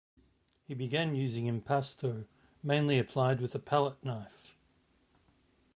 He began using impasto, mainly applied with a palette knife.